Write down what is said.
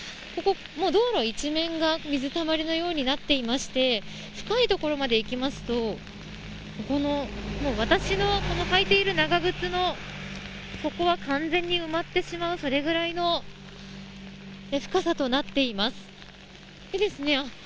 道路一面が水たまりのようになっていまして深い所まで行きますと私がはいている長靴の底は完全に埋まってしまうそれぐらいの深さとなっています。